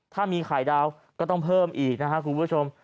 ถ้ามีไข่ดาวก็ต้องเพิ่มอีกนะครับคุณผู้ชม